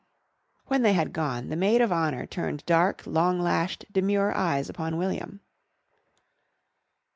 When they had gone the maid of honour turned dark, long lashed, demure eyes upon William.